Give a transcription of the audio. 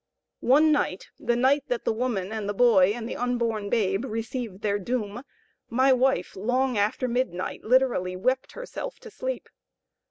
One night, the night that the woman and the boy and the unborn babe received their doom, my wife, long after midnight, literally wept herself to sleep.